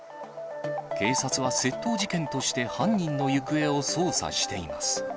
警察は窃盗事件として犯人の行方を捜査しています。